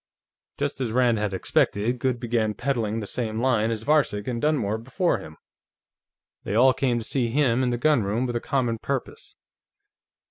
Just as Rand had expected, Goode began peddling the same line as Varcek and Dunmore before him. They all came to see him in the gunroom with a common purpose.